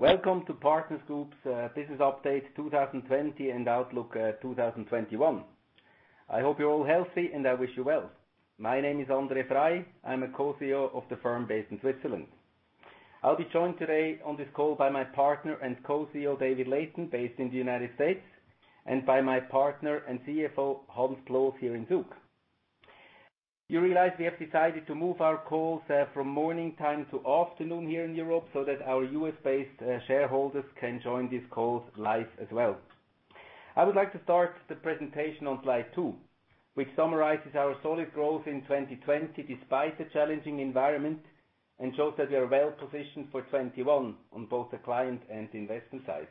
Welcome to Partners Group's business update 2020 and outlook 2021. I hope you're all healthy and I wish you well. My name is André Frei. I'm a Co-CEO of the firm based in Switzerland. I'll be joined today on this call by my partner and Co-CEO, David Layton, based in the United States, and by my partner and CFO, Hans Ploos, here in Zug. You realize we have decided to move our calls from morning time to afternoon here in Europe, so that our U.S.-based shareholders can join these calls live as well. I would like to start the presentation on slide two, which summarizes our solid growth in 2020 despite the challenging environment, and shows that we are well-positioned for 2021 on both the client and investment side.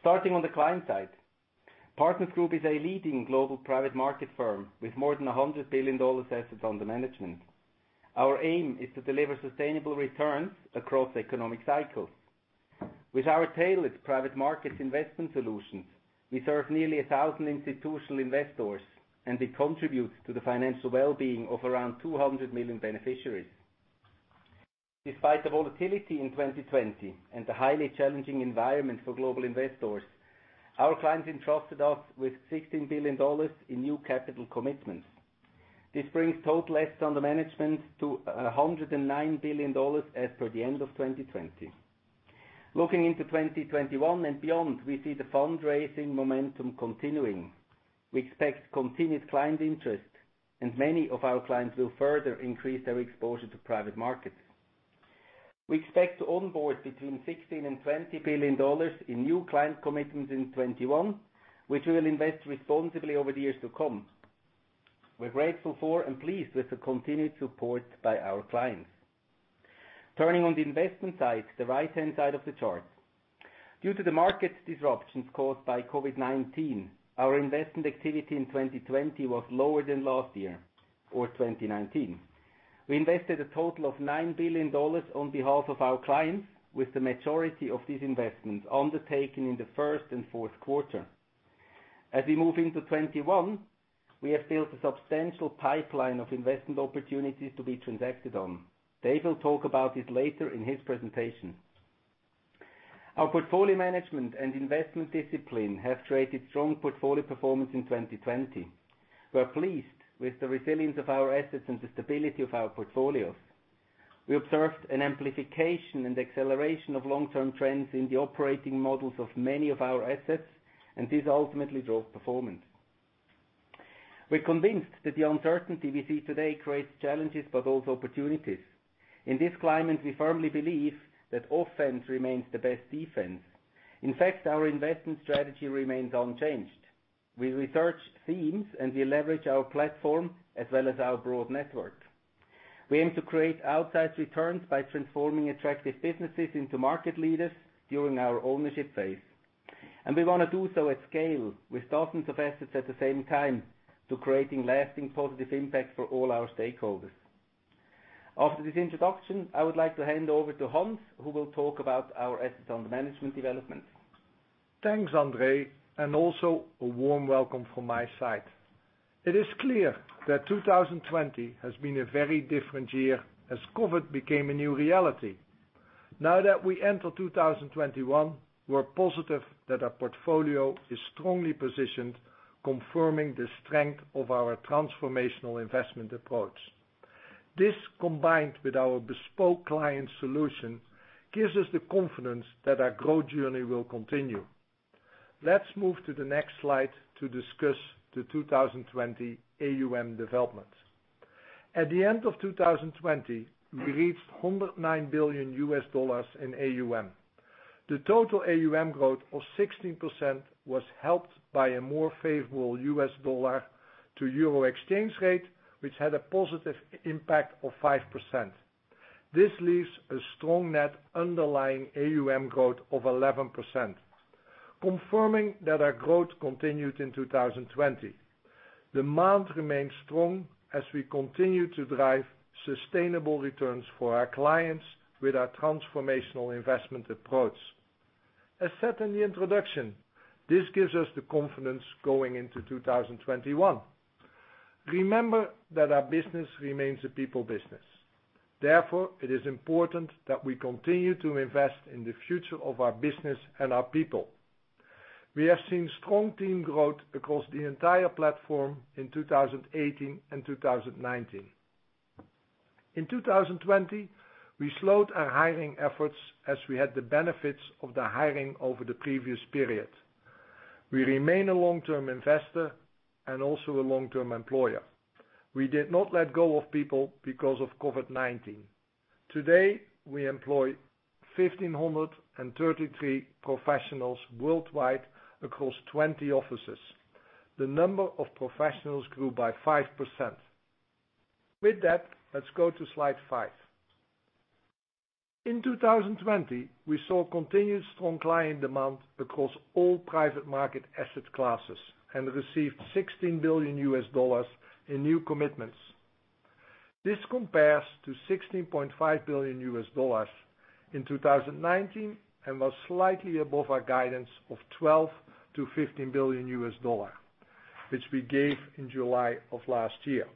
Starting on the client side, Partners Group is a leading global private market firm with more than $100 billion assets under management. Our aim is to deliver sustainable returns across the economic cycle. With our tailored private markets investment solutions, we serve nearly 1,000 institutional investors. We contribute to the financial well-being of around 200 million beneficiaries. Despite the volatility in 2020 and the highly challenging environment for global investors, our clients entrusted us with $16 billion in new capital commitments. This brings total assets under management to $109 billion as per the end of 2020. Looking into 2021 and beyond, we see the fundraising momentum continuing. We expect continued client interest. Many of our clients will further increase their exposure to private markets. We expect to onboard between $16 billion and $20 billion in new client commitments in 2021, which we will invest responsibly over the years to come. We're grateful for and pleased with the continued support by our clients. Turning on the investment side, the right-hand side of the chart. Due to the market disruptions caused by COVID-19, our investment activity in 2020 was lower than last year or 2019. We invested a total of $9 billion on behalf of our clients, with the majority of these investments undertaken in the first and fourth quarter. We move into 2021, we have built a substantial pipeline of investment opportunities to be transacted on. Dave will talk about this later in his presentation. Our portfolio management and investment discipline have created strong portfolio performance in 2020. We're pleased with the resilience of our assets and the stability of our portfolios. We observed an amplification and acceleration of long-term trends in the operating models of many of our assets, this ultimately drove performance. We're convinced that the uncertainty we see today creates challenges, also opportunities. In this climate, we firmly believe that offense remains the best defense. In fact, our investment strategy remains unchanged. We research themes, we leverage our platform as well as our broad network. We aim to create outsize returns by transforming attractive businesses into market leaders during our ownership phase. We want to do so at scale with thousands of assets at the same time to creating lasting positive impact for all our stakeholders. After this introduction, I would like to hand over to Hans, who will talk about our assets under management development. Thanks, André. Also a warm welcome from my side. It is clear that 2020 has been a very different year as COVID became a new reality. Now that we enter 2021, we're positive that our portfolio is strongly positioned, confirming the strength of our transformational investment approach. This, combined with our bespoke client solution, gives us the confidence that our growth journey will continue. Let's move to the next slide to discuss the 2020 AUM development. At the end of 2020, we reached $109 billion in AUM. The total AUM growth of 16% was helped by a more favorable U.S. dollar to euro exchange rate, which had a positive impact of 5%. This leaves a strong net underlying AUM growth of 11%, confirming that our growth continued in 2020. Demand remains strong as we continue to drive sustainable returns for our clients with our transformational investment approach. As said in the introduction, this gives us the confidence going into 2021. Remember that our business remains a people business. Therefore, it is important that we continue to invest in the future of our business and our people. We have seen strong team growth across the entire platform in 2018 and 2019. In 2020, we slowed our hiring efforts as we had the benefits of the hiring over the previous period. We remain a long-term investor and also a long-term employer. We did not let go of people because of COVID-19. Today, we employ 1,533 professionals worldwide across 20 offices. The number of professionals grew by 5%. With that, let's go to slide five. In 2020, we saw continued strong client demand across all private market asset classes and received $16 billion in new commitments. This compares to $16.5 billion in 2019 and was slightly above our guidance of $12 billion-$15 billion, which we gave in July of last year.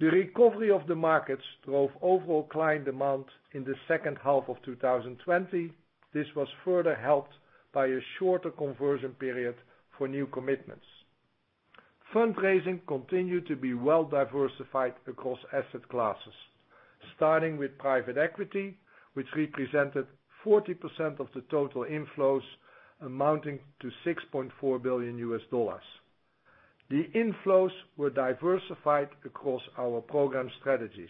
The recovery of the markets drove overall client demand in the second half of 2020. This was further helped by a shorter conversion period for new commitments. Fundraising continued to be well-diversified across asset classes, starting with private equity, which represented 40% of the total inflows, amounting to $6.4 billion. The inflows were diversified across our program strategies.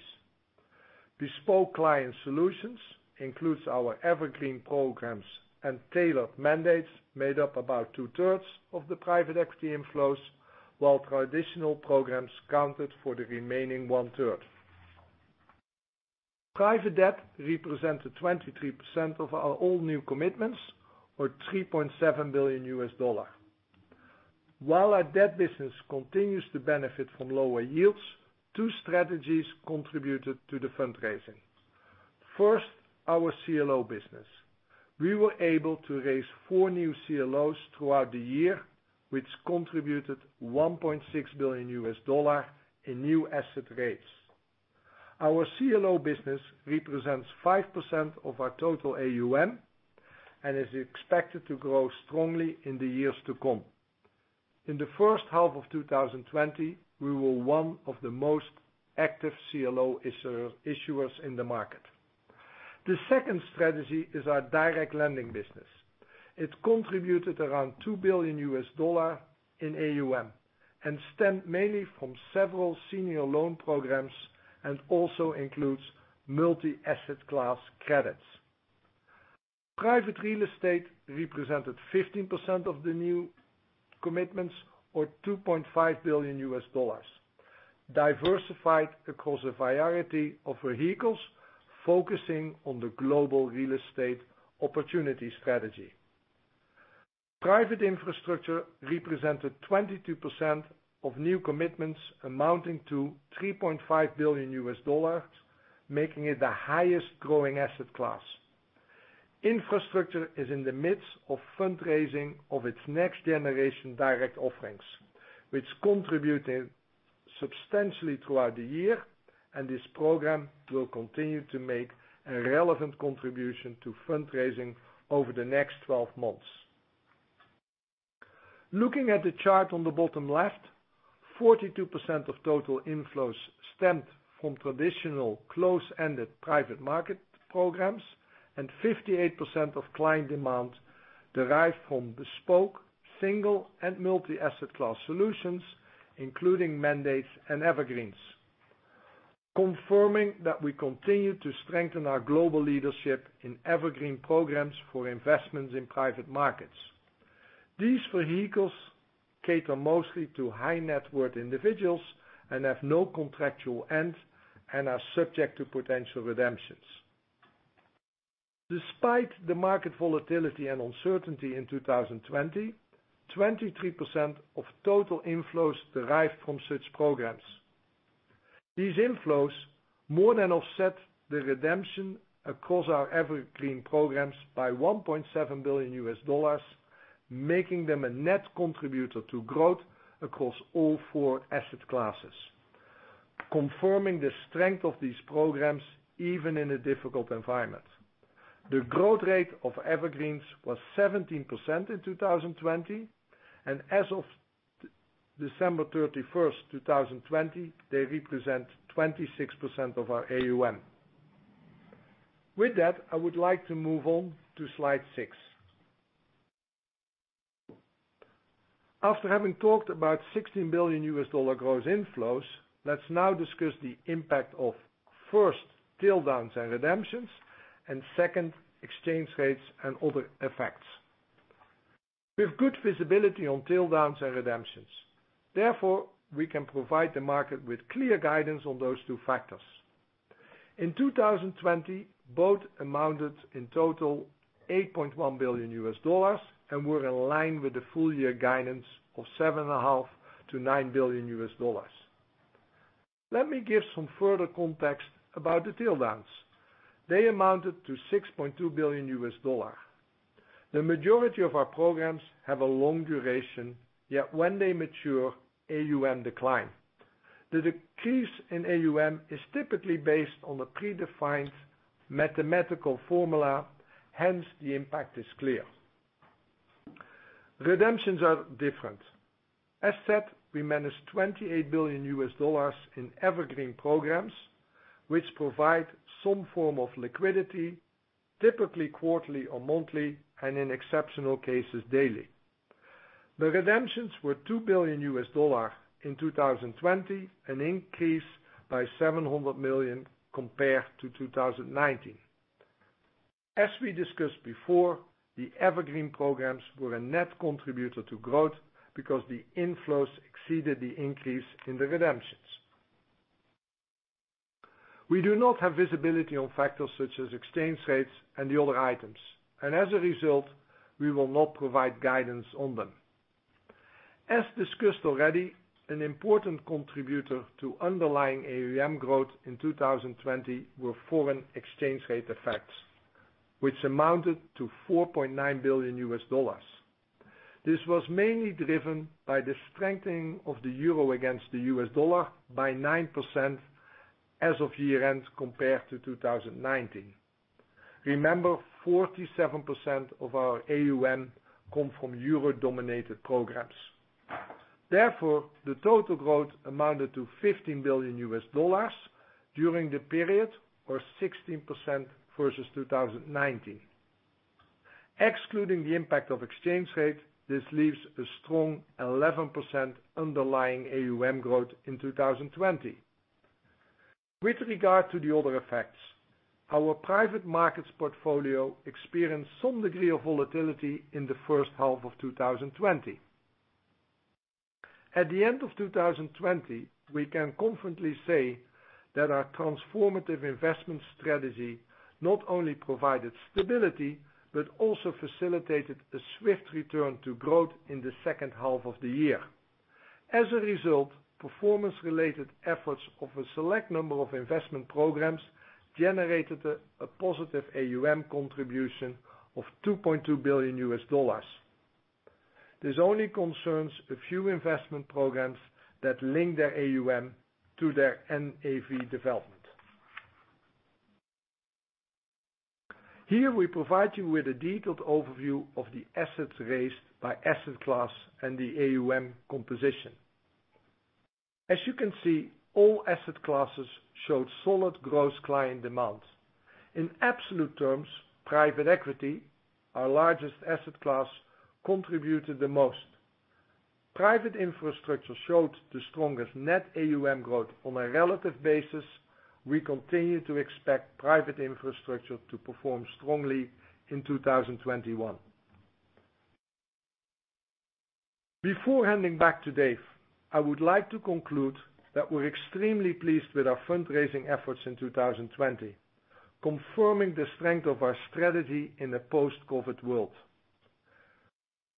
Bespoke client solutions, includes our evergreen programs and tailored mandates, made up about 2/3 of the private equity inflows, while traditional programs accounted for the remaining 1/3. Private debt represented 23% of our all new commitments or $3.7 billion. While our debt business continues to benefit from lower yields, two strategies contributed to the fundraising. First, our CLO business. We were able to raise four new CLOs throughout the year, which contributed $1.6 billion in new asset rates. Our CLO business represents 5% of our total AUM and is expected to grow strongly in the years to come. In the first half of 2020, we were one of the most active CLO issuers in the market. The second strategy is our direct lending business. It contributed around $2 billion in AUM and stemmed mainly from several senior loan programs and also includes multi-asset class credits. Private real estate represented 15% of the new commitments or $2.5 billion, diversified across a variety of vehicles, focusing on the global real estate opportunity strategy. Private infrastructure represented 22% of new commitments amounting to $3.5 billion, making it the highest growing asset class. Infrastructure is in the midst of fundraising of its next generation direct offerings, which contributed substantially throughout the year, and this program will continue to make a relevant contribution to fundraising over the next 12 months. Looking at the chart on the bottom left, 42% of total inflows stemmed from traditional closed-ended private market programs, and 58% of client demand derived from bespoke single and multi-asset class solutions, including mandates and evergreens, confirming that we continue to strengthen our global leadership in evergreen programs for investments in private markets. These vehicles cater mostly to high-net-worth individuals and have no contractual end and are subject to potential redemptions. Despite the market volatility and uncertainty in 2020, 23% of total inflows derived from such programs. These inflows more than offset the redemption across our evergreen programs by $1.7 billion, making them a net contributor to growth across all four asset classes, confirming the strength of these programs, even in a difficult environment. The growth rate of evergreens was 17% in 2020, and as of December 31st, 2020, they represent 26% of our AUM. With that, I would like to move on to slide six. After having talked about $16 billion gross inflows, let's now discuss the impact of, first, tail-ends and redemptions, and second, exchange rates and other effects. We have good visibility on tail-ends and redemptions, therefore, we can provide the market with clear guidance on those two factors. In 2020, both amounted in total $8.1 billion and were in line with the full-year guidance of $7.5 billion-$9 billion. Let me give some further context about the tail-ends. They amounted to $6.2 billion. The majority of our programs have a long duration, yet when they mature, AUM decline. The decrease in AUM is typically based on a predefined mathematical formula, hence the impact is clear. Redemptions are different. As said, we manage $28 billion in evergreen programs, which provide some form of liquidity, typically quarterly or monthly, and in exceptional cases, daily. The redemptions were $2 billion in 2020, an increase by $700 million compared to 2019. As we discussed before, the evergreen programs were a net contributor to growth because the inflows exceeded the increase in the redemptions. We do not have visibility on factors such as exchange rates and the other items, as a result, we will not provide guidance on them. As discussed already, an important contributor to underlying AUM growth in 2020 were foreign exchange rate effects, which amounted to $4.9 billion. This was mainly driven by the strengthening of the euro against the U.S. dollar by 9% as of year-end compared to 2019. Remember, 47% of our AUM come from euro-dominated programs. The total growth amounted to $15 billion during the period or 16% versus 2019. Excluding the impact of exchange rate, this leaves a strong 11% underlying AUM growth in 2020. With regard to the other effects, our private markets portfolio experienced some degree of volatility in the first half of 2020. At the end of 2020, we can confidently say that our transformative investment strategy not only provided stability, but also facilitated a swift return to growth in the second half of the year. As a result, performance-related efforts of a select number of investment programs generated a positive AUM contribution of $2.2 billion. This only concerns a few investment programs that link their AUM to their NAV development. Here we provide you with a detailed overview of the assets raised by asset class and the AUM composition. As you can see, all asset classes showed solid gross client demand. In absolute terms, private equity, our largest asset class, contributed the most. Private infrastructure showed the strongest net AUM growth on a relative basis. We continue to expect private infrastructure to perform strongly in 2021. Before handing back to Dave, I would like to conclude that we're extremely pleased with our fundraising efforts in 2020, confirming the strength of our strategy in a post-COVID world.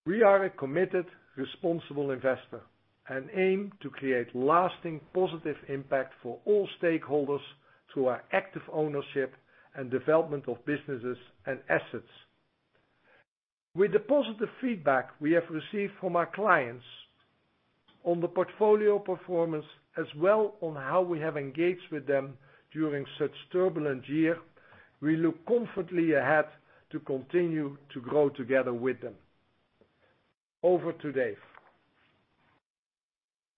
We are a committed, responsible investor, and aim to create lasting positive impact for all stakeholders through our active ownership and development of businesses and assets. With the positive feedback we have received from our clients on the portfolio performance as well on how we have engaged with them during such turbulent year, we look confidently ahead to continue to grow together with them. Over to Dave.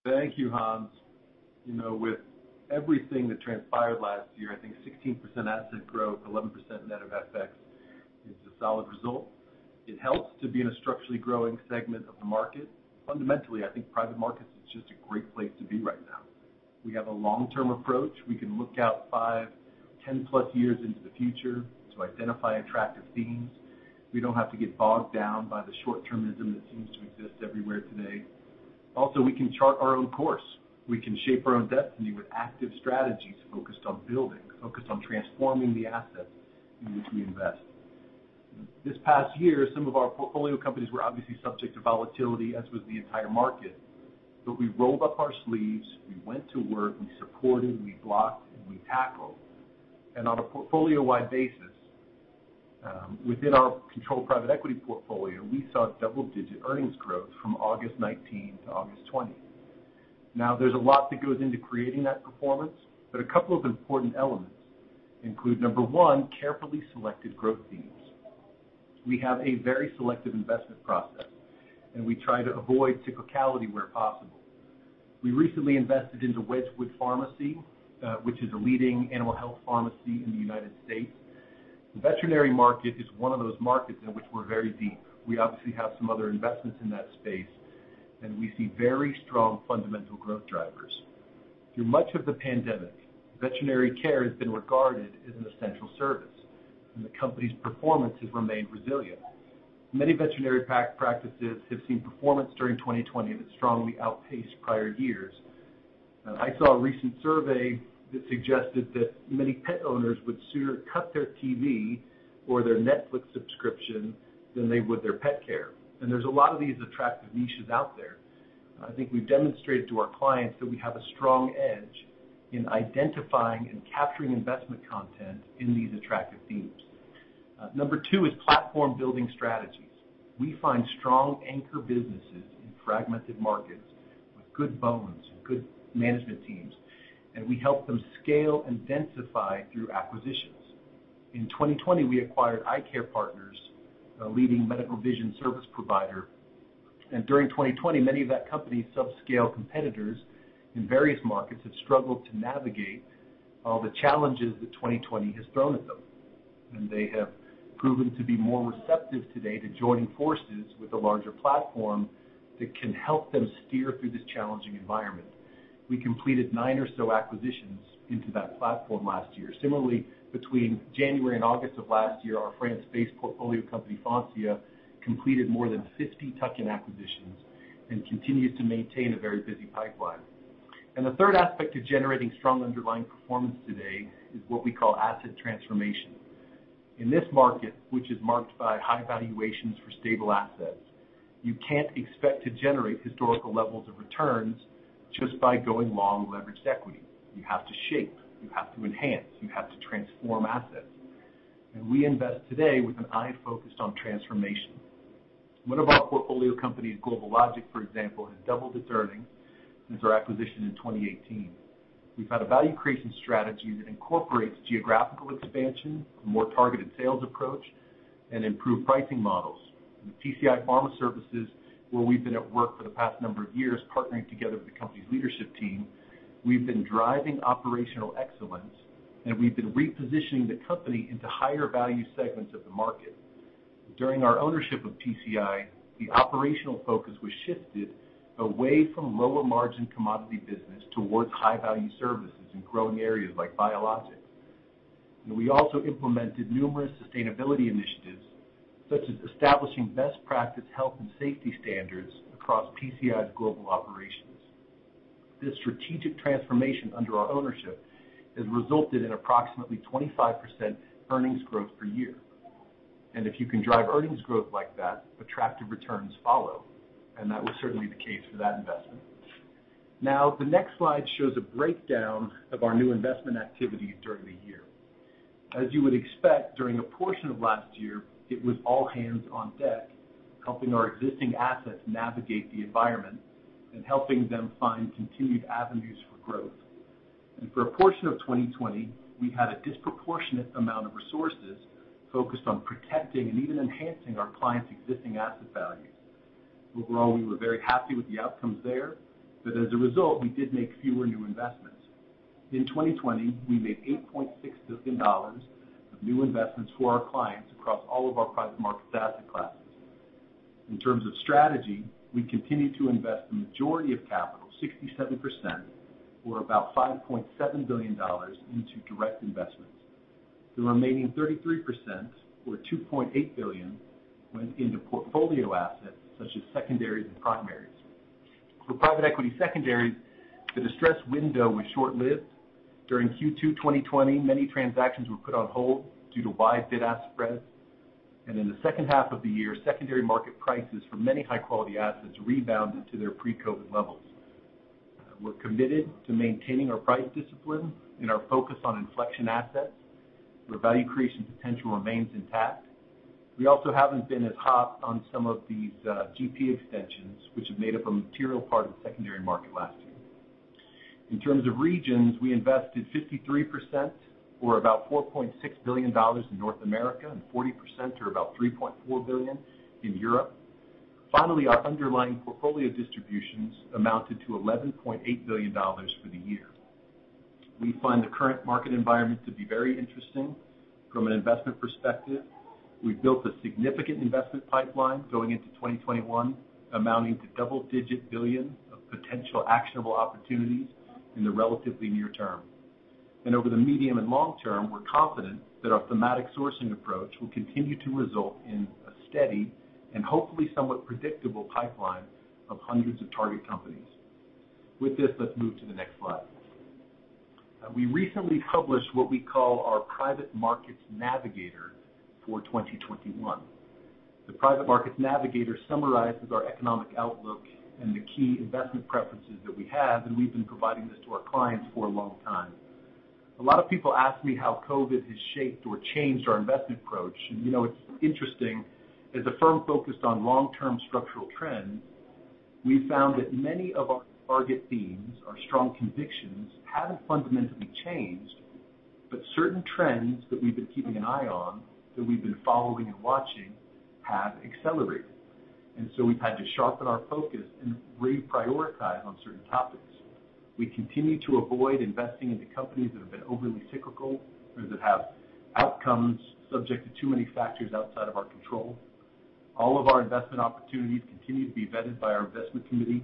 Thank you, Hans. With everything that transpired last year, I think 16% asset growth, 11% net of FX is a solid result. It helps to be in a structurally growing segment of the market. Fundamentally, I think private markets is just a great place to be right now. We have a long-term approach. We can look out five, 10+ years into the future to identify attractive themes. We don't have to get bogged down by the short-termism that seems to exist everywhere today. We can chart our own course. We can shape our own destiny with active strategies focused on building, focused on transforming the assets in which we invest. This past year, some of our portfolio companies were obviously subject to volatility, as was the entire market. We rolled up our sleeves, we went to work, we supported, we blocked, and we tackled. On a portfolio-wide basis, within our controlled private equity portfolio, we saw double-digit earnings growth from August 2019 to August 2020. There's a lot that goes into creating that performance, but a couple of important elements include, number one, carefully selected growth themes. We have a very selective investment process, and we try to avoid cyclicality where possible. We recently invested into Wedgewood Pharmacy, which is a leading animal health pharmacy in United States. The veterinary market is one of those markets in which we're very deep. We obviously have some other investments in that space, and we see very strong fundamental growth drivers. Through much of the pandemic, veterinary care has been regarded as an essential service, and the company's performance has remained resilient. Many veterinary practices have seen performance during 2020 that strongly outpaced prior years. I saw a recent survey that suggested that many pet owners would sooner cut their TV or their Netflix subscription than they would their pet care. There's a lot of these attractive niches out there. I think we've demonstrated to our clients that we have a strong edge in identifying and capturing investment content in these attractive themes. Number two is platform-building strategies. We find strong anchor businesses in fragmented markets with good bones and good management teams, and we help them scale and densify through acquisitions. In 2020, we acquired EyeCare Partners, a leading medical vision service provider. During 2020, many of that company's sub-scale competitors in various markets have struggled to navigate all the challenges that 2020 has thrown at them. They have proven to be more receptive today to joining forces with a larger platform that can help them steer through this challenging environment. We completed nine or so acquisitions into that platform last year. Similarly, between January and August of last year, our France-based portfolio company, Foncia, completed more than 50 tuck-in acquisitions, and continues to maintain a very busy pipeline. The third aspect of generating strong underlying performance today is what we call asset transformation. In this market, which is marked by high valuations for stable assets, you can't expect to generate historical levels of returns just by going long leveraged equity. You have to shape, you have to enhance, you have to transform assets. We invest today with an eye focused on transformation. One of our portfolio companies, GlobalLogic, for example, has doubled its earnings since our acquisition in 2018. We've had a value creation strategy that incorporates geographical expansion, a more targeted sales approach, and improved pricing models. With PCI Pharma Services, where we've been at work for the past number of years, partnering together with the company's leadership team, we've been driving operational excellence, and we've been repositioning the company into higher value segments of the market. During our ownership of PCI, the operational focus was shifted away from lower margin commodity business towards high-value services in growing areas like biologics. We also implemented numerous sustainability initiatives, such as establishing best practice health and safety standards across PCI's global operations. This strategic transformation under our ownership has resulted in approximately 25% earnings growth per year. If you can drive earnings growth like that, attractive returns follow, and that was certainly the case for that investment. The next slide shows a breakdown of our new investment activity during the year. As you would expect, during a portion of last year, it was all hands on deck, helping our existing assets navigate the environment and helping them find continued avenues for growth. For a portion of 2020, we had a disproportionate amount of resources focused on protecting and even enhancing our clients' existing asset value. Overall, we were very happy with the outcomes there, but as a result, we did make fewer new investments. In 2020, we made $8.6 billion of new investments for our clients across all of our private markets asset classes. In terms of strategy, we continue to invest the majority of capital, 67% or about $5.7 billion, into direct investments. The remaining 33% or $2.8 billion, went into portfolio assets such as secondaries and primaries. For private equity secondaries, the distress window was short-lived. During Q2 2020, many transactions were put on hold due to wide bid-ask spreads. In the second half of the year, secondary market prices for many high-quality assets rebounded to their pre-COVID levels. We're committed to maintaining our price discipline and our focus on inflection assets where value creation potential remains intact. We also haven't been as hot on some of these GP extensions, which have made up a material part of the secondary market last year. In terms of regions, we invested 53% or about $4.6 billion in North America, and 40% or about $3.4 billion, in Europe. Finally, our underlying portfolio distributions amounted to $11.8 billion for the year. We find the current market environment to be very interesting from an investment perspective. We've built a significant investment pipeline going into 2021, amounting to double-digit billions of potential actionable opportunities in the relatively near term. Over the medium and long term, we're confident that our thematic sourcing approach will continue to result in a steady and hopefully somewhat predictable pipeline of hundreds of target companies. With this, let's move to the next slide. We recently published what we call our Private Markets Navigator for 2021. The Private Markets Navigator summarizes our economic outlook and the key investment preferences that we have, and we've been providing this to our clients for a long time. A lot of people ask me how COVID has shaped or changed our investment approach. It's interesting, as a firm focused on long-term structural trends, we've found that many of our target themes, our strong convictions, haven't fundamentally changed, but certain trends that we've been keeping an eye on, that we've been following and watching, have accelerated. We've had to sharpen our focus and reprioritize on certain topics. We continue to avoid investing into companies that have been overly cyclical or that have outcomes subject to too many factors outside of our control. All of our investment opportunities continue to be vetted by our investment committee,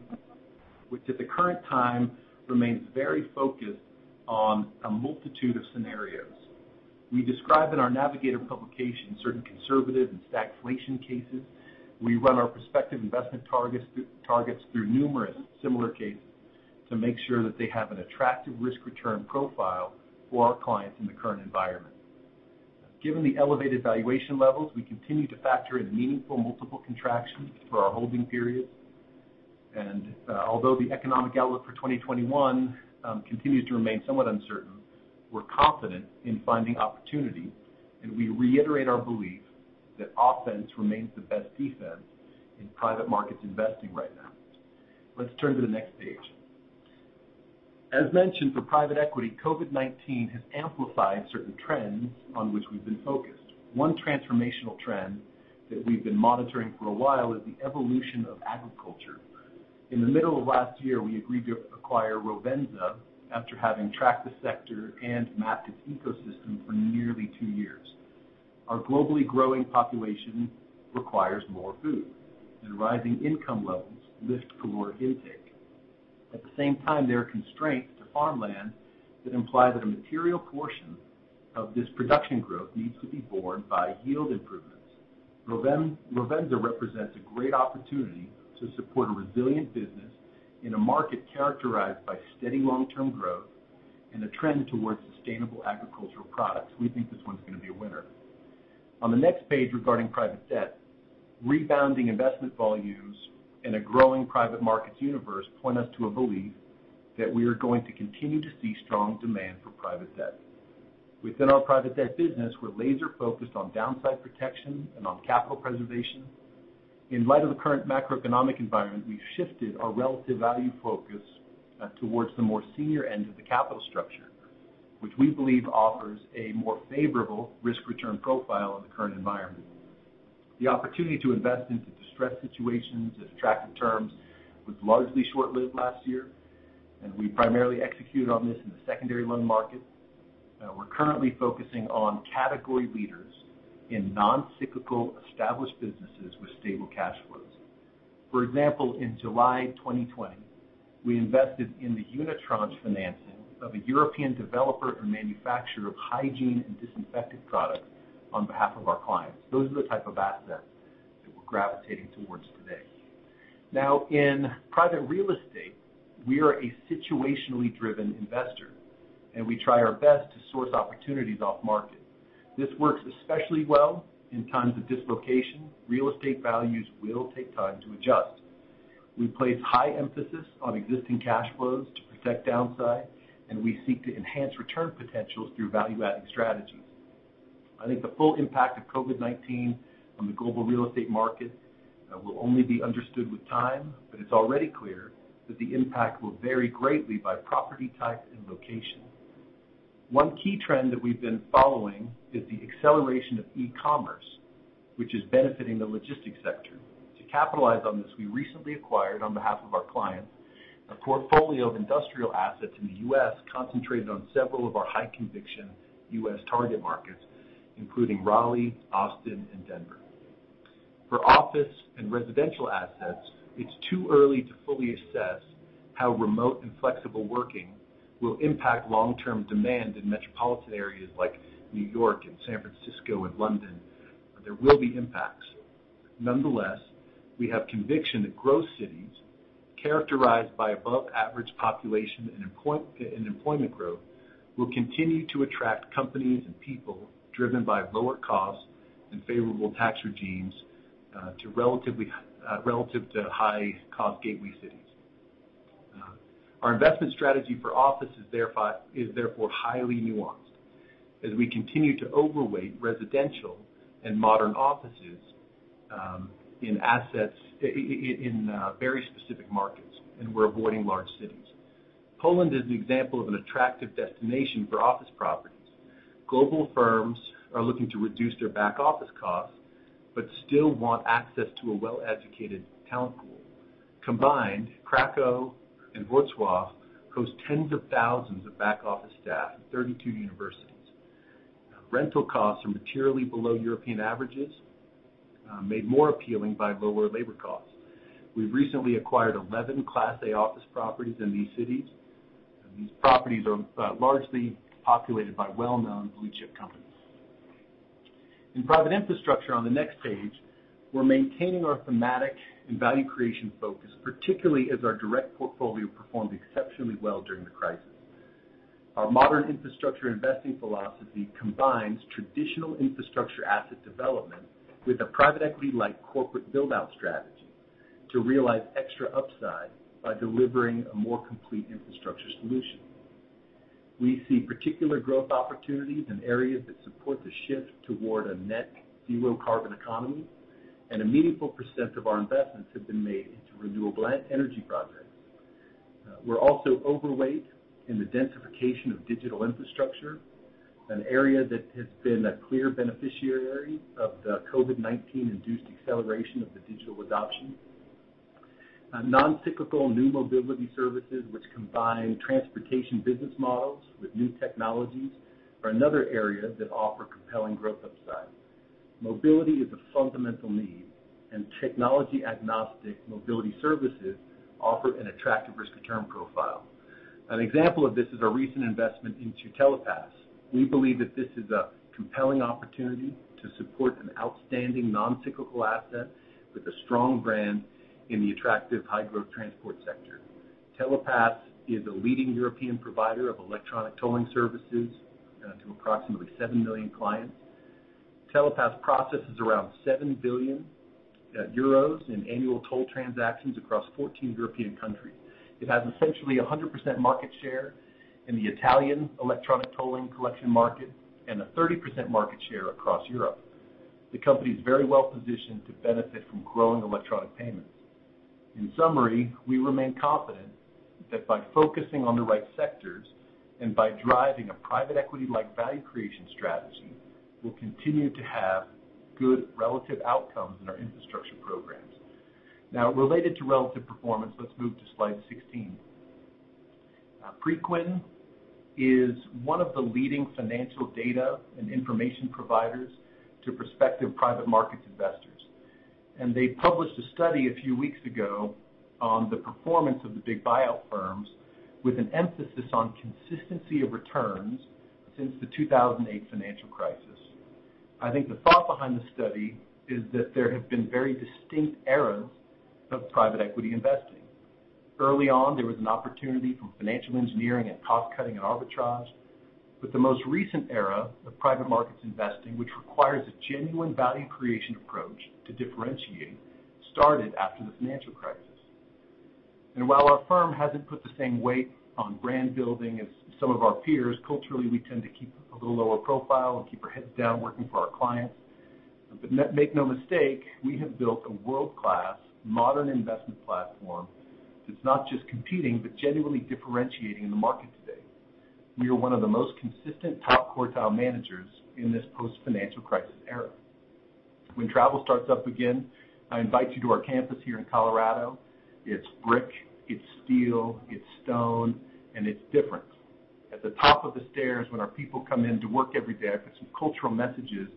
which at the current time remains very focused on a multitude of scenarios. We describe in our Navigator publication certain conservative and stagflation cases. We run our prospective investment targets through numerous similar cases to make sure that they have an attractive risk-return profile for our clients in the current environment. Given the elevated valuation levels, we continue to factor in meaningful multiple contractions for our holding periods. Although the economic outlook for 2021 continues to remain somewhat uncertain, we're confident in finding opportunity, and we reiterate our belief that offense remains the best defense in private markets investing right now. Let's turn to the next page. As mentioned, for private equity, COVID-19 has amplified certain trends on which we've been focused. One transformational trend that we've been monitoring for a while is the evolution of agriculture. In the middle of last year, we agreed to acquire Rovensa after having tracked the sector and mapped its ecosystem for nearly two years. Our globally growing population requires more food, and rising income levels lift caloric intake. At the same time, there are constraints to farmland that imply that a material portion of this production growth needs to be borne by yield improvements. Rovensa represents a great opportunity to support a resilient business in a market characterized by steady long-term growth and a trend towards sustainable agricultural products. We think this one's going to be a winner. On the next page, regarding private debt, rebounding investment volumes in a growing private markets universe point us to a belief that we are going to continue to see strong demand for private debt. Within our private debt business, we're laser-focused on downside protection and on capital preservation. In light of the current macroeconomic environment, we've shifted our relative value focus towards the more senior end of the capital structure, which we believe offers a more favorable risk-return profile in the current environment. The opportunity to invest into distressed situations at attractive terms was largely short-lived last year, and we primarily executed on this in the secondary loan market. We're currently focusing on category leaders in non-cyclical, established businesses with stable cash flows. For example, in July 2020, we invested in the unitranche financing of a European developer and manufacturer of hygiene and disinfectant products on behalf of our clients. Those are the type of assets that we're gravitating towards today. Now, in private real estate, we are a situationally driven investor, and we try our best to source opportunities off-market. This works especially well in times of dislocation. Real estate values will take time to adjust. We place high emphasis on existing cash flows to protect downside, and we seek to enhance return potentials through value-adding strategies. I think the full impact of COVID-19 on the global real estate market will only be understood with time, but it's already clear that the impact will vary greatly by property type and location. One key trend that we've been following is the acceleration of e-commerce, which is benefiting the logistics sector. To capitalize on this, we recently acquired, on behalf of our clients, a portfolio of industrial assets in the U.S. concentrated on several of our high-conviction U.S. target markets, including Raleigh, Austin, and Denver. For office and residential assets, it's too early to fully assess how remote and flexible working will impact long-term demand in metropolitan areas like New York and San Francisco and London. There will be impacts. Nonetheless, we have conviction that growth cities characterized by above-average population and employment growth will continue to attract companies and people driven by lower costs and favorable tax regimes relative to high-cost gateway cities. Our investment strategy for office is therefore highly nuanced as we continue to overweight residential and modern offices in very specific markets, and we're avoiding large cities. Poland is an example of an attractive destination for office properties. Global firms are looking to reduce their back-office costs but still want access to a well-educated talent pool. Combined, Kraków and Wrocław host tens of thousands of back-office staff and 32 universities. Rental costs are materially below European averages, made more appealing by lower labor costs. We've recently acquired 11 Class A office properties in these cities. These properties are largely populated by well-known blue-chip companies. In private infrastructure on the next page, we're maintaining our thematic and value creation focus, particularly as our direct portfolio performed exceptionally well during the crisis. Our modern infrastructure investing philosophy combines traditional infrastructure asset development with a private equity-like corporate build-out strategy to realize extra upside by delivering a more complete infrastructure solution. We see particular growth opportunities in areas that support the shift toward a net zero carbon economy, and a meaningful percent of our investments have been made into renewable energy projects. We're also overweight in the densification of digital infrastructure, an area that has been a clear beneficiary of the COVID-19-induced acceleration of the digital adoption. Non-cyclical new mobility services, which combine transportation business models with new technologies, are another area that offer compelling growth upside. Mobility is a fundamental need, and technology-agnostic mobility services offer an attractive risk return profile. An example of this is our recent investment into Telepass. We believe that this is a compelling opportunity to support an outstanding non-cyclical asset with a strong brand in the attractive high-growth transport sector. Telepass is a leading European provider of electronic tolling services to approximately 7 million clients. Telepass processes around 7 billion euros in annual toll transactions across 14 European countries. It has essentially 100% market share in the Italian electronic tolling collection market and a 30% market share across Europe. The company is very well-positioned to benefit from growing electronic payments. In summary, we remain confident that by focusing on the right sectors and by driving a private equity-like value creation strategy, we'll continue to have good relative outcomes in our infrastructure programs. Related to relative performance, let's move to slide 16. Preqin is one of the leading financial data and information providers to prospective private markets investors. They published a study a few weeks ago on the performance of the big buyout firms with an emphasis on consistency of returns since the 2008 financial crisis. I think the thought behind the study is that there have been very distinct eras of private equity investing. Early on, there was an opportunity from financial engineering and cost-cutting and arbitrage. The most recent era of private markets investing, which requires a genuine value creation approach to differentiate, started after the financial crisis. While our firm hasn't put the same weight on brand building as some of our peers, culturally, we tend to keep a little lower profile and keep our heads down working for our clients. Make no mistake, we have built a world-class modern investment platform that's not just competing, but genuinely differentiating in the market today. We are one of the most consistent top quartile managers in this post-financial crisis era. When travel starts up again, I invite you to our campus here in Colorado. It's brick, it's steel, it's stone, and it's different. At the top of the stairs, when our people come in to work every day, I put some cultural messages,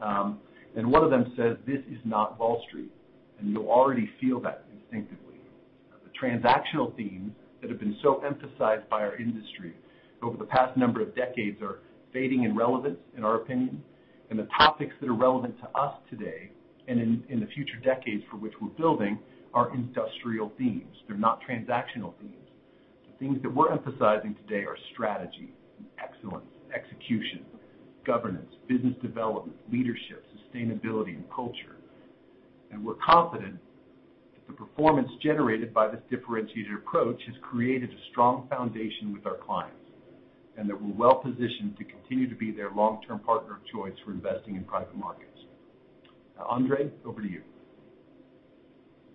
and one of them says, "This is not Wall Street," and you'll already feel that instinctively. The transactional themes that have been so emphasized by our industry over the past number of decades are fading in relevance, in our opinion, and the topics that are relevant to us today and in the future decades for which we're building are industrial themes. They're not transactional themes. The themes that we're emphasizing today are strategy, excellence, execution, governance, business development, leadership, sustainability, and culture. We're confident that the performance generated by this differentiated approach has created a strong foundation with our clients, and that we're well-positioned to continue to be their long-term partner of choice for investing in private markets. Now, André, over to you.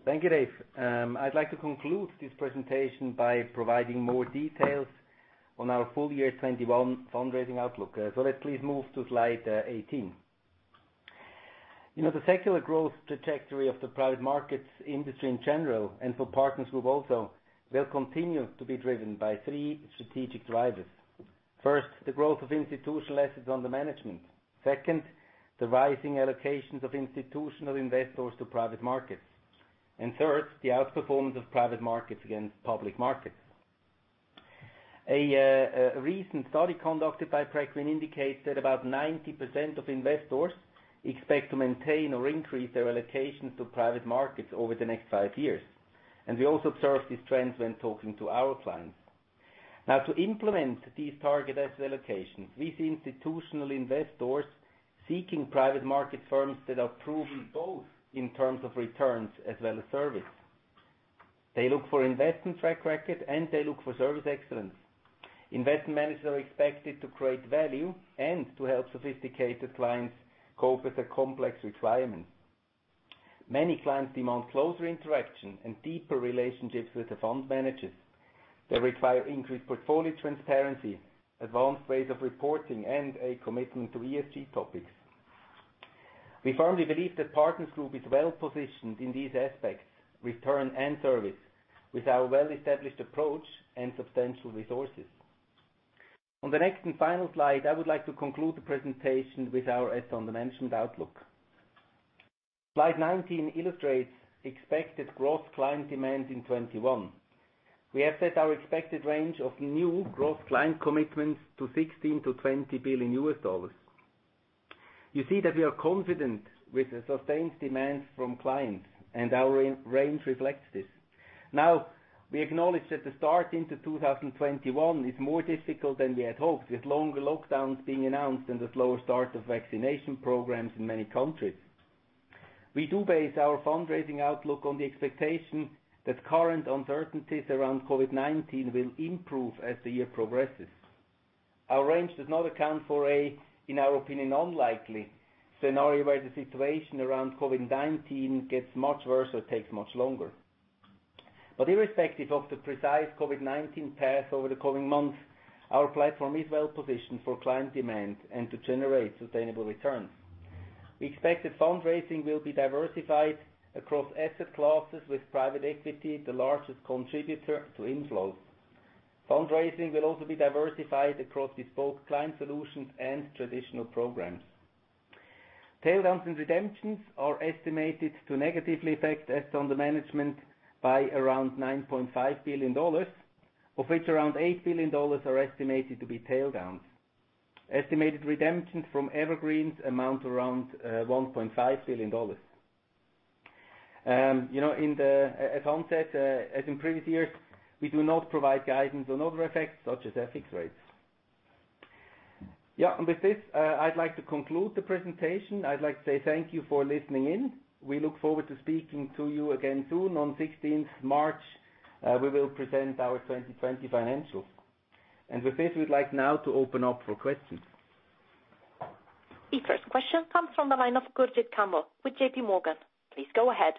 Thank you, Dave. I'd like to conclude this presentation by providing more details on our full-year 2021 fundraising outlook. Let's please move to slide 18. The secular growth trajectory of the private markets industry in general and for Partners Group also, will continue to be driven by three strategic drivers. First, the growth of institutional assets under management. Second, the rising allocations of institutional investors to private markets. Third, the outperformance of private markets against public markets. A recent study conducted by Preqin indicates that about 90% of investors expect to maintain or increase their allocations to private markets over the next five years. We also observe these trends when talking to our clients. Now, to implement these target asset allocations, these institutional investors seeking private market firms that are proven both in terms of returns as well as service. They look for investment track record and they look for service excellence. Investment managers are expected to create value and to help sophisticated clients cope with their complex requirements. Many clients demand closer interaction and deeper relationships with the fund managers. They require increased portfolio transparency, advanced ways of reporting, and a commitment to ESG topics. We firmly believe that Partners Group is well-positioned in these aspects, return, and service, with our well-established approach and substantial resources. On the next and final slide, I would like to conclude the presentation with our assets under management outlook. Slide 19 illustrates expected gross client demand in 2021. We have set our expected range of new gross client commitments to $16 billion-$20 billion. You see that we are confident with the sustained demand from clients. Our range reflects this. Now, we acknowledge that the start into 2021 is more difficult than we had hoped, with longer lockdowns being announced and the slower start of vaccination programs in many countries. We do base our fundraising outlook on the expectation that current uncertainties around COVID-19 will improve as the year progresses. Our range does not account for a, in our opinion, unlikely scenario where the situation around COVID-19 gets much worse or takes much longer. Irrespective of the precise COVID-19 path over the coming months, our platform is well-positioned for client demand and to generate sustainable returns. We expect that fundraising will be diversified across asset classes, with private equity the largest contributor to inflows. Fundraising will also be diversified across bespoke client solutions and traditional programs. Tail-ends and redemptions are estimated to negatively affect assets under management by around $9.5 billion, of which around $8 billion are estimated to be tail-ends. Estimated redemptions from evergreens amount to around $1.5 billion. As onset, as in previous years, we do not provide guidance on other effects, such as FX rates. With this, I'd like to conclude the presentation. I'd like to say thank you for listening in. We look forward to speaking to you again soon. On 16th March, we will present our 2020 financials. With this, we'd like now to open up for questions. The first question comes from the line of Gurjit Kambo with JPMorgan. Please go ahead.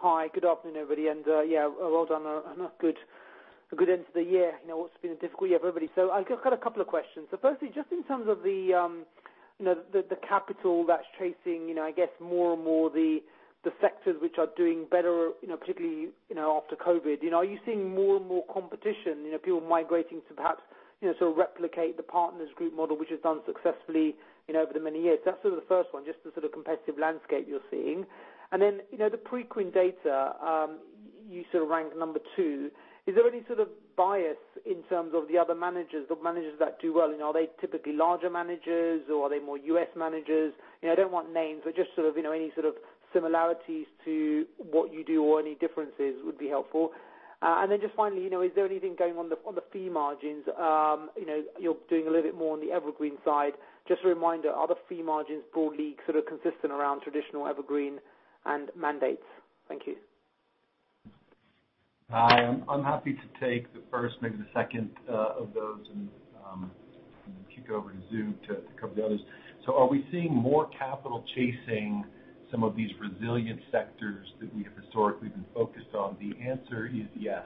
Hi. Good afternoon, everybody, yeah, well done on a good end to the year. It's been a difficult year for everybody. I've got a couple of questions. Firstly, just in terms of the capital that's chasing, I guess, more and more the sectors which are doing better, particularly after COVID, are you seeing more and more competition, people migrating to perhaps replicate the Partners Group model, which has done successfully over the many years? That's the first one, just the competitive landscape you're seeing. The Preqin data, you ranked number two, is there any sort of bias in terms of the other managers, the managers that do well? Are they typically larger managers or are they more U.S. managers? I don't want names, but just any sort of similarities to what you do or any differences would be helpful. Then just finally, is there anything going on the fee margins? You're doing a little bit more on the evergreen side. Just a reminder, are the fee margins broadly consistent around traditional evergreen and mandates? Thank you. I'm happy to take the first, maybe the second of those, kick over to Ploos to cover the others. Are we seeing more capital chasing some of these resilient sectors that we have historically been focused on? The answer is yes.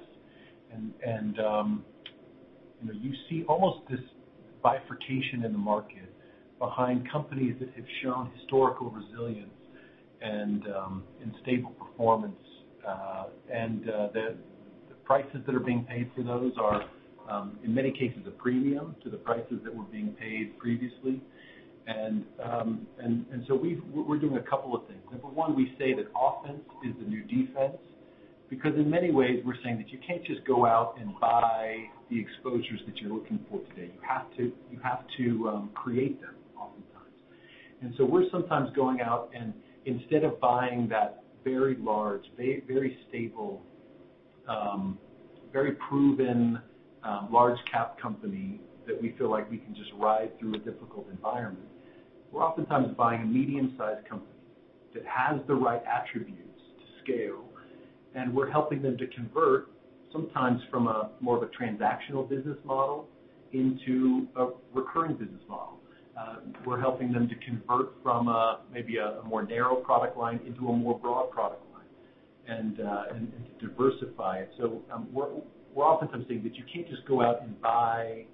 You see almost this bifurcation in the market behind companies that have shown historical resilience and stable performance. The prices that are being paid for those are, in many cases, a premium to the prices that were being paid previously. We're doing a couple of things. Number one, we say that offense is the new defense, because in many ways we're saying that you can't just go out and buy the exposures that you're looking for today. You have to create them oftentimes. We're sometimes going out and instead of buying that very large, very stable, very proven large cap company that we feel like we can just ride through a difficult environment, we're oftentimes buying a medium sized company that has the right attributes to scale, and we're helping them to convert, sometimes from a more of a transactional business model into a recurring business model. We're helping them to convert from maybe a more narrow product line into a more broad product line, and to diversify it. We're oftentimes saying that you can't just go out and buy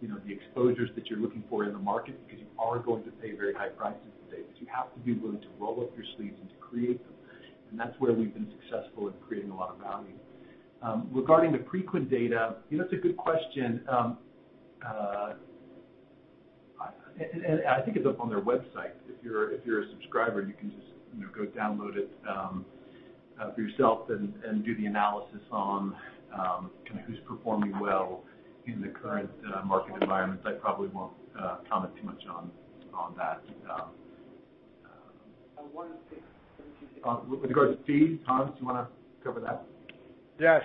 the exposures that you're looking for in the market because you are going to pay very high prices today, but you have to be willing to roll up your sleeves and to create them. That's where we've been successful in creating a lot of value. Regarding the Preqin data, that's a good question. I think it's up on their website. If you're a subscriber, you can just go download it for yourself and do the analysis on who's performing well in the current market environment. I probably won't comment too much on that. I want to- With regards to fees, Hans, do you want to cover that? Yes.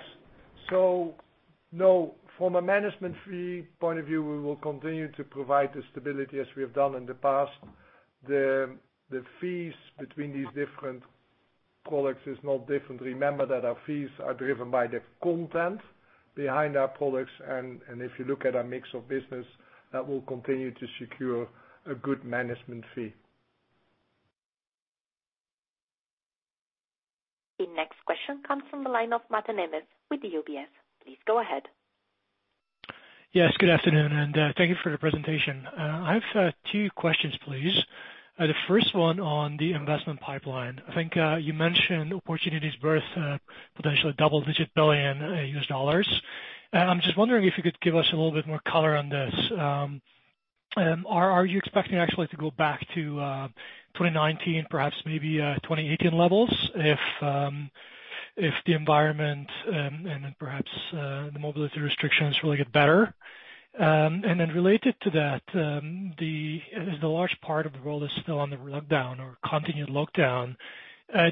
No, from a management fee point of view, we will continue to provide the stability as we have done in the past. The fees between these different products is not different. Remember that our fees are driven by the content behind our products, and if you look at our mix of business, that will continue to secure a good management fee. The next question comes from the line of Máté Nemes with the UBS. Please go ahead. Yes, good afternoon. Thank you for the presentation. I have two questions, please. The first one on the investment pipeline. I think you mentioned opportunities worth potentially double-digit billion U.S. dollars. I'm just wondering if you could give us a little bit more color on this. Are you expecting actually to go back to 2019, perhaps maybe 2018 levels if the environment and perhaps the mobility restrictions really get better? Related to that, as the large part of the world is still on the lockdown or continued lockdown,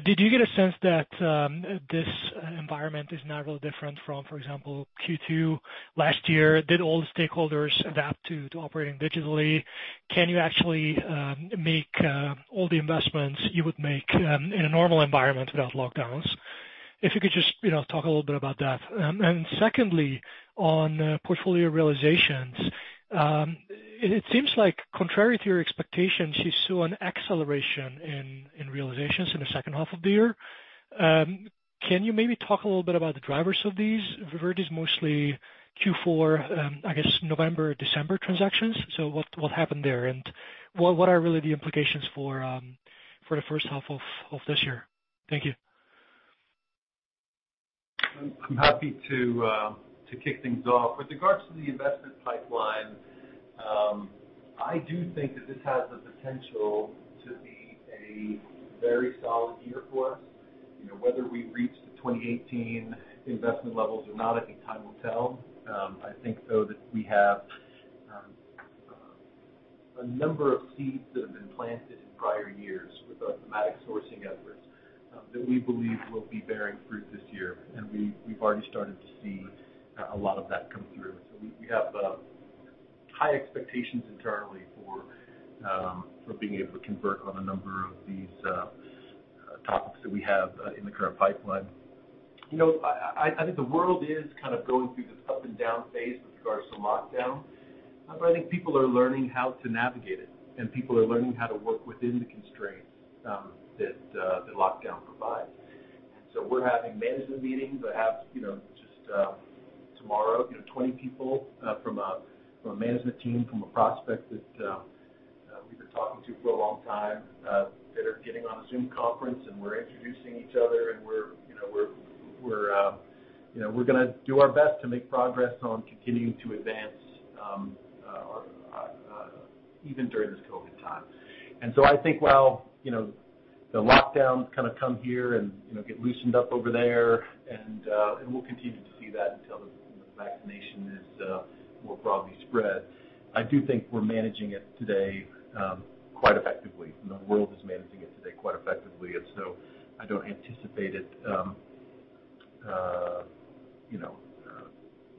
did you get a sense that this environment is now really different from, for example, Q2 last year? Did all the stakeholders adapt to operating digitally? Can you actually make all the investments you would make in a normal environment without lockdowns? If you could just talk a little bit about that. Secondly, on portfolio realizations. It seems like contrary to your expectations, you saw an acceleration in realizations in the second half of the year. Can you maybe talk a little bit about the drivers of these? Were these mostly Q4, I guess November, December transactions? What happened there and what are really the implications for the first half of this year? Thank you. I'm happy to kick things off. With regards to the investment pipeline, I do think that this has the potential to be a very solid year for us. Whether we reach the 2018 investment levels or not, I think time will tell. I think, though, that we have a number of seeds that have been planted in prior years with our thematic sourcing efforts that we believe will be bearing fruit this year, and we've already started to see a lot of that come through. We have high expectations internally for being able to convert on a number of these topics that we have in the current pipeline. I think the world is kind of going through this up and down phase with regards to lockdown, but I think people are learning how to navigate it, and people are learning how to work within the constraints that lockdown provide. We're having management meetings. I have just tomorrow, 20 people from a management team, from a prospect that we've been talking to for a long time, that are getting on a Zoom conference, and we're introducing each other, and we're going to do our best to make progress on continuing to advance even during this COVID time. I think while the lockdowns kind of come here and get loosened up over there, and we'll continue to see that until the vaccination is more broadly spread. I do think we're managing it today quite effectively, and the world is managing it today quite effectively. I don't anticipate it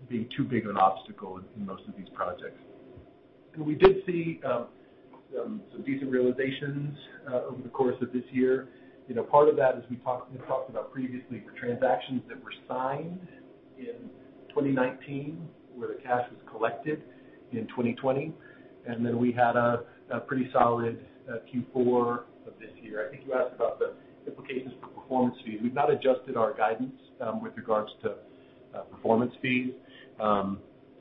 being too big of an obstacle in most of these projects. We did see some decent realizations over the course of this year. Part of that, as we talked about previously, for transactions that were signed in 2019, where the cash was collected in 2020, and then we had a pretty solid Q4 of this year. I think you asked about the implications for performance fees. We've not adjusted our guidance with regards to performance fees.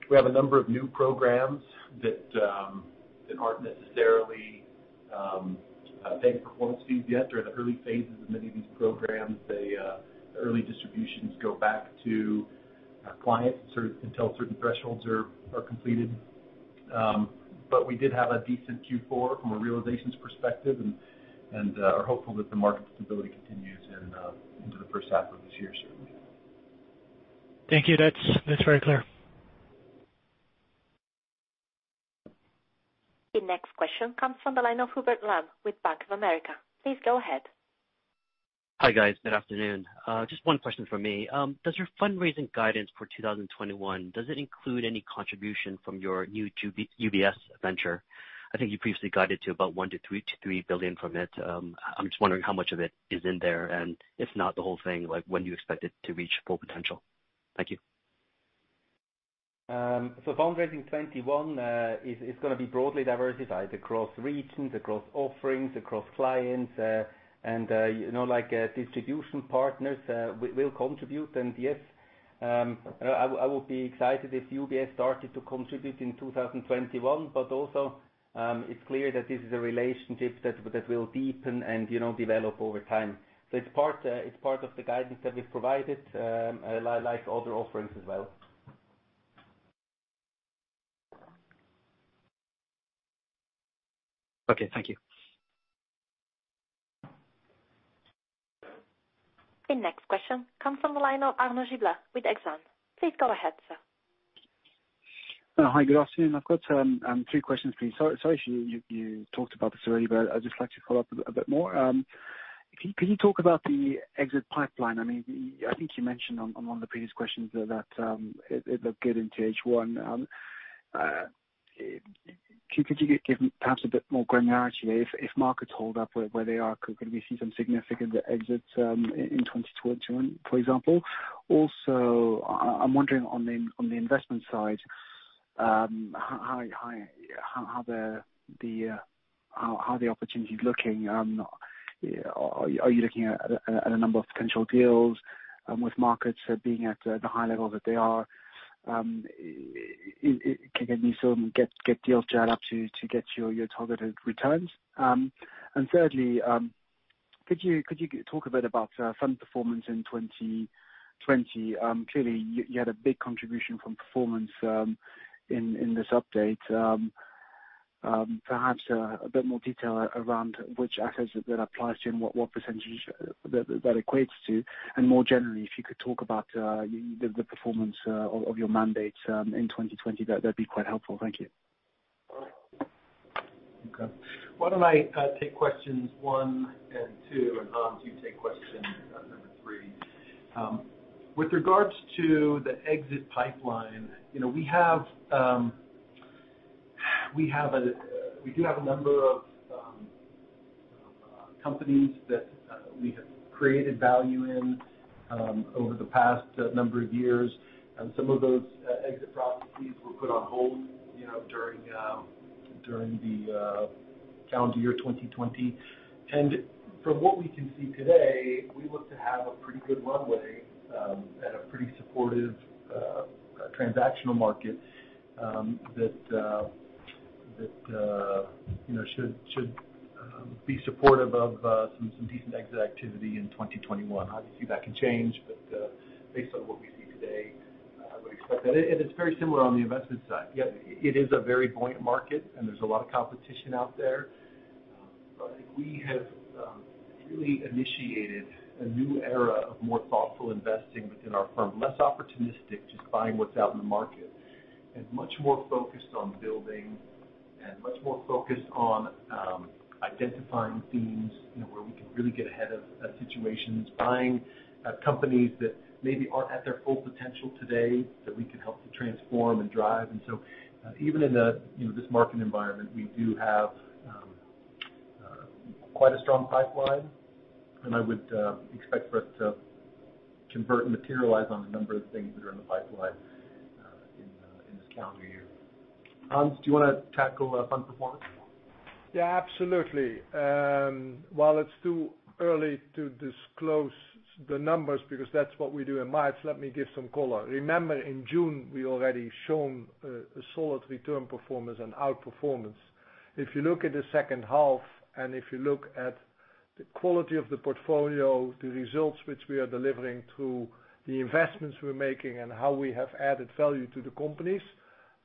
We have a number of new programs that aren't necessarily paying performance fees yet. They're in the early phases of many of these programs. The early distributions go back to our clients until certain thresholds are completed. We did have a decent Q4 from a realizations perspective and are hopeful that the market stability continues into the first half of this year, certainly. Thank you. That's very clear. The next question comes from the line of Hubert Lam with Bank of America. Please go ahead. Hi, guys. Good afternoon. Just one question from me. Does your fundraising guidance for 2021 include any contribution from your new UBS venture? I think you previously guided to about $1 billion-$3 billion from it. I'm just wondering how much of it is in there, and if not the whole thing, when do you expect it to reach full potential? Thank you. Fundraising 2021 is going to be broadly diversified across regions, across offerings, across clients. Distribution partners will contribute. Yes, I would be excited if UBS started to contribute in 2021. Also, it's clear that this is a relationship that will deepen and develop over time. It's part of the guidance that we've provided, like other offerings as well. Okay, thank you. The next question comes from the line of Arnaud Giblat with Exane. Please go ahead, sir. Hi, good afternoon. I've got three questions for you. Sorry, you talked about this already, but I'd just like to follow up a bit more. Can you talk about the exit pipeline? I think you mentioned on one of the previous questions that it looked good into H1. Could you give perhaps a bit more granularity if markets hold up where they are, could we see some significant exits in 2021, for example? Also, I'm wondering on the investment side, how are the opportunities looking? Are you looking at a number of potential deals with markets being at the high level that they are? Can you get deals lined up to get your targeted returns? Thirdly, could you talk a bit about fund performance in 2020? Clearly, you had a big contribution from performance in this update. Perhaps a bit more detail around which assets that applies to and what percentage that equates to. More generally, if you could talk about the performance of your mandates in 2020, that'd be quite helpful. Thank you. Okay. Why don't I take questions one and two, and Hans, you take question number three. With regards to the exit pipeline, we do have a number of companies that we have created value in over the past number of years, and some of those exit processes were put on hold during the calendar year 2020. From what we can see today, we look to have a pretty good runway and a pretty supportive transactional market that should be supportive of some decent exit activity in 2021. Obviously, that can change, but based on what we see today, I would expect that. It's very similar on the investment side. It is a very buoyant market, and there's a lot of competition out there. I think we have really initiated a new era of more thoughtful investing within our firm, less opportunistic, just buying what's out in the market, and much more focused on building and much more focused on identifying themes where we can really get ahead of situations, buying companies that maybe aren't at their full potential today that we can help to transform and drive. Even in this market environment, we do have quite a strong pipeline, and I would expect for us to convert and materialize on a number of things that are in the pipeline in this calendar year. Hans, do you want to tackle fund performance? Yeah, absolutely. While it's too early to disclose the numbers, because that's what we do in March, let me give some color. Remember, in June, we already shown a solid return performance and outperformance. If you look at the second half and if you look at the quality of the portfolio, the results which we are delivering through the investments we're making and how we have added value to the companies,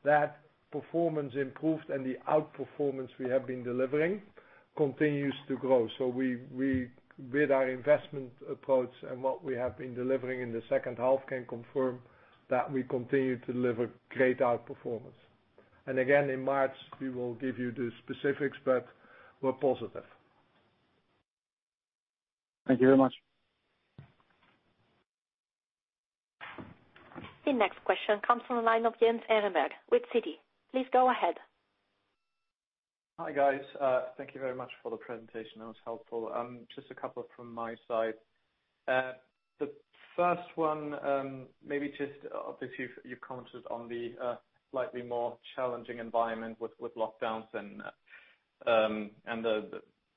that performance improved, and the outperformance we have been delivering continues to grow. With our investment approach and what we have been delivering in the second half can confirm that we continue to deliver great outperformance. Again, in March, we will give you the specifics, but we're positive. Thank you very much. The next question comes from the line of Jens Ehrenberg with Citi. Please go ahead. Hi, guys. Thank you very much for the presentation. That was helpful. Just a couple from my side. The first one, obviously you've commented on the slightly more challenging environment with lockdowns and the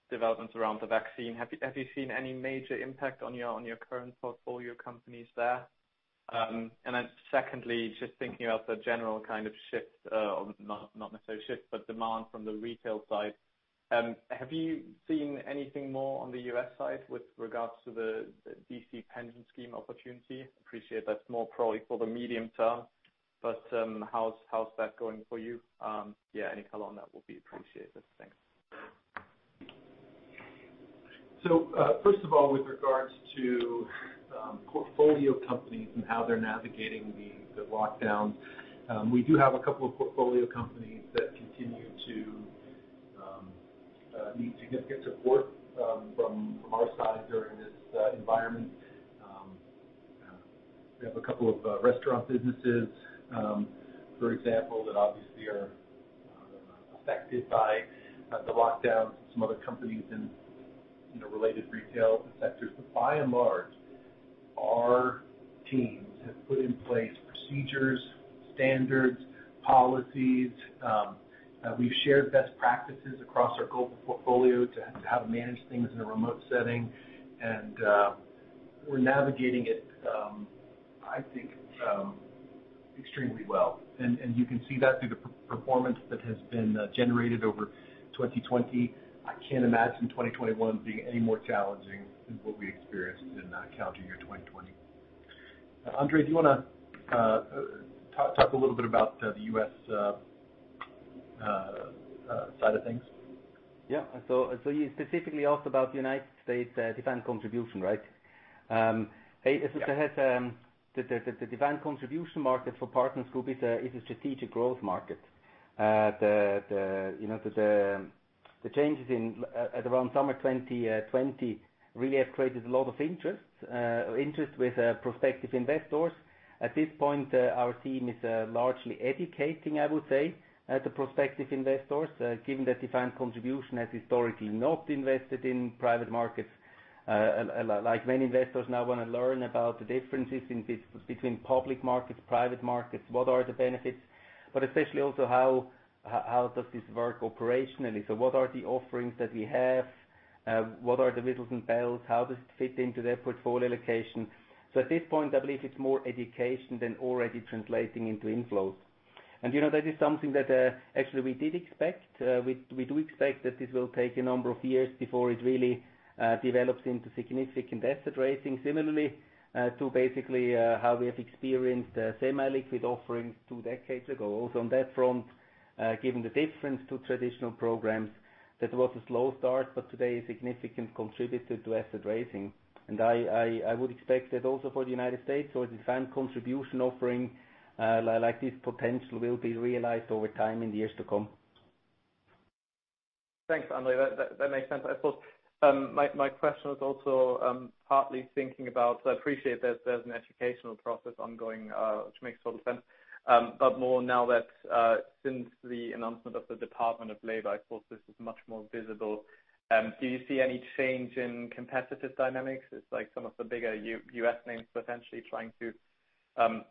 developments around the vaccine. Have you seen any major impact on your current portfolio companies there? Secondly, just thinking about the general shift or not necessarily shift, but demand from the retail side, have you seen anything more on the U.S. side with regards to the DC pension scheme opportunity? Appreciate that's more probably for the medium-term, but how's that going for you? Any color on that will be appreciated. Thanks. First of all, with regards to portfolio companies and how they're navigating the lockdowns, we do have a couple of portfolio companies that continue to need significant support from our side during this environment. We have a couple of restaurant businesses, for example, that obviously are affected by the lockdowns, some other companies in related retail sectors. By and large, our teams have put in place procedures, standards, policies. We've shared best practices across our global portfolio to how to manage things in a remote setting. We're navigating it, I think, extremely well, and you can see that through the performance that has been generated over 2020. I can't imagine 2021 being any more challenging than what we experienced in calendar year 2020. André, do you want to talk a little bit about the U.S. side of things? Yeah. You specifically asked about the United States defined contribution, right? Yes. As I said, the defined contribution market for Partners Group is a strategic growth market. The changes around summer 2020 really have created a lot of interest with prospective investors. At this point, our team is largely educating, I would say, the prospective investors, given that defined contribution has historically not invested in private markets. Like many investors now want to learn about the differences between public markets, private markets, what are the benefits, but especially also how does this work operationally. What are the offerings that we have? What are the whistles and bells? How does it fit into their portfolio allocation? At this point, I believe it's more education than already translating into inflows. That is something that actually we did expect. We do expect that this will take a number of years before it really develops into significant asset raising. Similarly, to basically how we have experienced semi-liquid offerings two decades ago. Also on that front, given the difference to traditional programs, that was a slow start, but today a significant contributor to asset raising. I would expect that also for the United States, so a defined contribution offering like this potential will be realized over time in the years to come. Thanks, André. That makes sense. I suppose, my question was also partly thinking about, I appreciate that there's an educational process ongoing, which makes total sense. More now that since the announcement of the Department of Labor, I suppose this is much more visible. Do you see any change in competitive dynamics? Is like some of the bigger U.S. names potentially trying to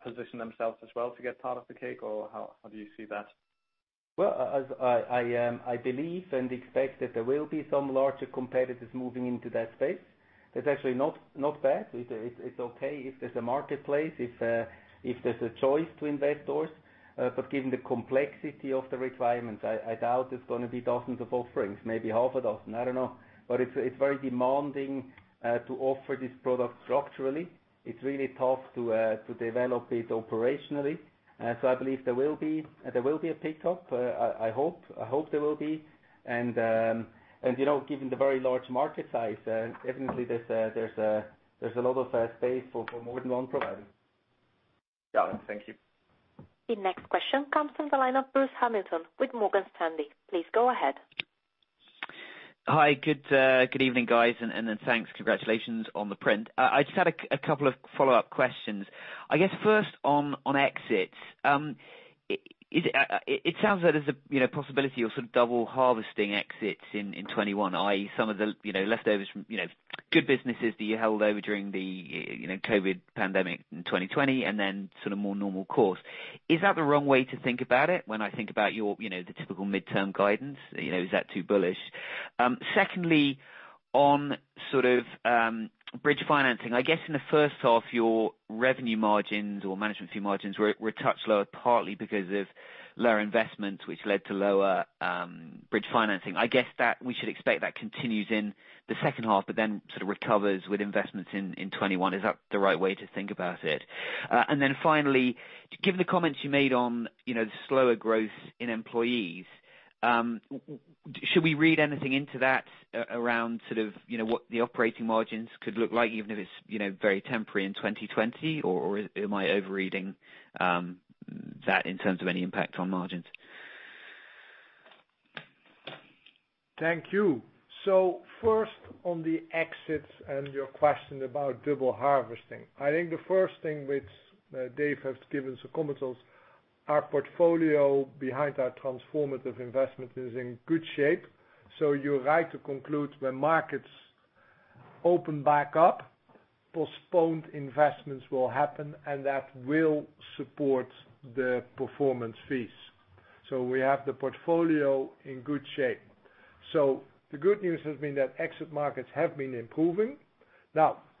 position themselves as well to get part of the cake or how do you see that? I believe and expect that there will be some larger competitors moving into that space. That's actually not bad. It's okay if there's a marketplace, if there's a choice to investors. Given the complexity of the requirements, I doubt it's going to be dozens of offerings, maybe half a dozen, I don't know. It's very demanding to offer this product structurally. It's really tough to develop it operationally. I believe there will be a pickup. I hope there will be. Given the very large market size, definitely there's a lot of space for more than one provider. Got it. Thank you. The next question comes from the line of Bruce Hamilton with Morgan Stanley. Please go ahead. Hi. Good evening, guys. Thanks, congratulations on the print. I just had a couple of follow-up questions. I guess first on exits. It sounds like there's a possibility of double harvesting exits in 2021, i.e., some of the leftovers from good businesses that you held over during the COVID pandemic in 2020, sort of more normal course. Is that the wrong way to think about it when I think about the typical midterm guidance? Is that too bullish? Secondly, on bridge financing. I guess in the first half, your revenue margins or management fee margins were a touch lower, partly because of lower investments, which led to lower bridge financing. I guess that we should expect that continues in the second half, sort of recovers with investments in 2021. Is that the right way to think about it? Finally, given the comments you made on the slower growth in employees. Should we read anything into that around what the operating margins could look like, even if it's very temporary in 2020? Am I overreading that in terms of any impact on margins? Thank you. First, on the exits and your question about double harvesting. I think the first thing which Dave has given some comments on, our portfolio behind our transformative investment is in good shape. You're right to conclude when markets open back up, postponed investments will happen, and that will support the performance fees. We have the portfolio in good shape. The good news has been that exit markets have been improving.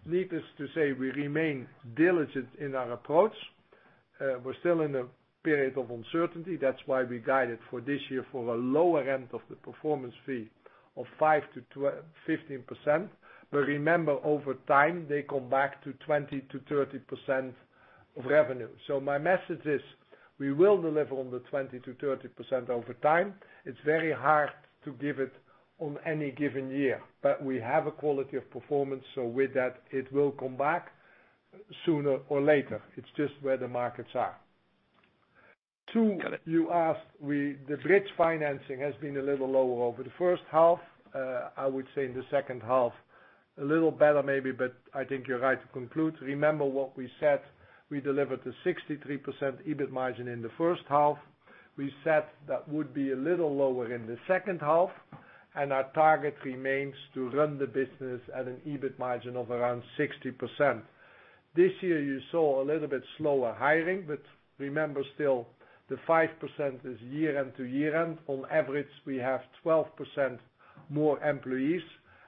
Needless to say, we remain diligent in our approach. We're still in a period of uncertainty. That's why we guided for this year for a lower end of the performance fee of 5%-15%. Remember, over time, they come back to 20%-30% of revenue. My message is, we will deliver on the 20%-30% over time. It's very hard to give it on any given year. We have a quality of performance, so with that, it will come back sooner or later. It's just where the markets are. Got it. Two, you asked, the bridge financing has been a little lower over the first half. I would say in the second half, a little better maybe. I think you're right to conclude. Remember what we said, we delivered a 63% EBIT margin in the first half. We said that would be a little lower in the second half. Our target remains to run the business at an EBIT margin of around 60%. This year you saw a little bit slower hiring. Remember still, the 5% is year-end to year-end. On average, we have 12% more employees.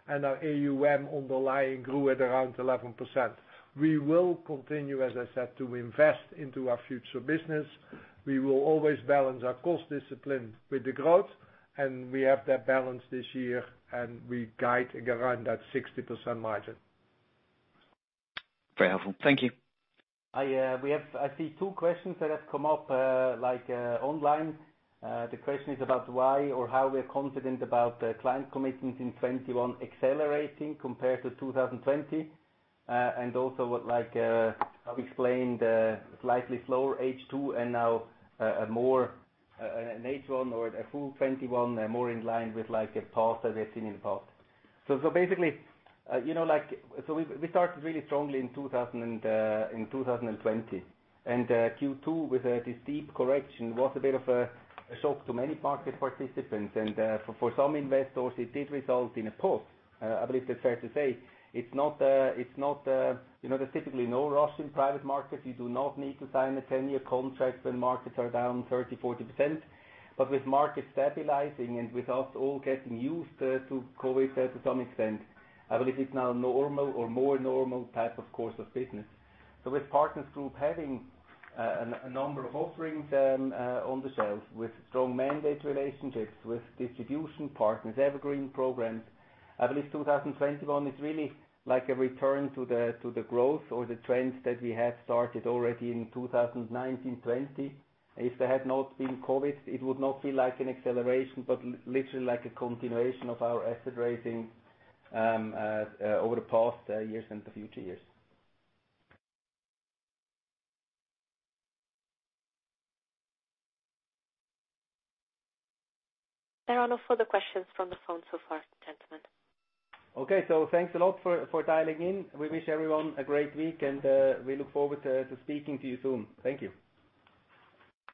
Our AUM underlying grew at around 11%. We will continue, as I said, to invest into our future business. We will always balance our cost discipline with the growth. We have that balance this year. We guide again around that 60% margin. Very helpful. Thank you. I see two questions that have come up online. The question is about why or how we're confident about the client commitments in 2021 accelerating compared to 2020. What, I've explained, slightly slower H2 and now in H1 or a full 2021, more in line with like it was in the past. Basically, we started really strongly in 2020. Q2 with this deep correction was a bit of a shock to many market participants. For some investors, it did result in a pause. I believe that's fair to say. There's typically no rush in private markets. You do not need to sign a 10 year contract when markets are down 30%, 40%. With markets stabilizing and with us all getting used to COVID to some extent, I believe it's now a normal or more normal type of course of business. With Partners Group having a number of offerings on the shelf, with strong mandate relationships, with distribution partners, evergreen programs, I believe 2021 is really like a return to the growth or the trends that we had started already in 2019, 2020. If there had not been COVID, it would not feel like an acceleration, but literally like a continuation of our asset raising over the past years and the future years. There are no further questions from the phone so far, gentlemen. Okay. Thanks a lot for dialing in. We wish everyone a great week and we look forward to speaking to you soon. Thank you.